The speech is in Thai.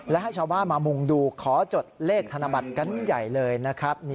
และให้ชาวบ้านมามุงดูขอจดเลขธนบัตรกันใหญ่เลยนะครับ